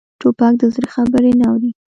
توپک د زړه خبرې نه اوري.